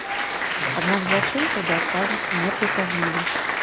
Аднак злачынцаў да адказнасці не прыцягнулі.